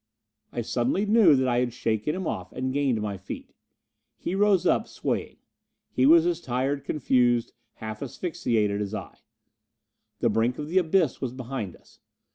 I suddenly knew that I had shaken him off and gained my feet. He rose up, swaying. He was as tired, confused, half asphyxiated as I. The brink of the abyss was behind us.